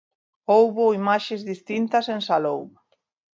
Houbo imaxes distintas en Salou.